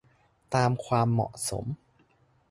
ตามความเหมาะสม